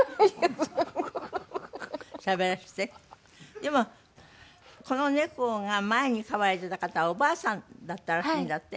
でもこの猫が前に飼われてた方おばあさんだったらしいんだって？